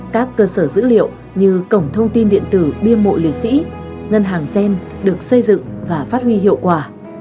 các cơ sở dữ liệu như cổng thông tin điện tử bia mộ liệt sĩ ngân hàng gen được xây dựng và phát huy hiệu quả